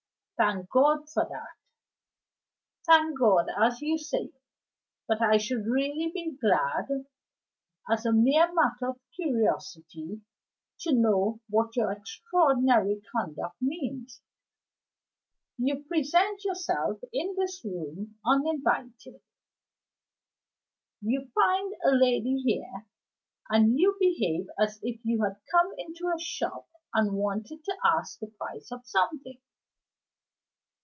"Thank God for that!" "Thank God, as you say. But I should really be glad (as a mere matter of curiosity) to know what your extraordinary conduct means. You present yourself in this room uninvited, you find a lady here, and you behave as if you had come into a shop and wanted to ask the price of something.